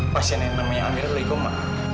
pasien yang namanya amir boleh koma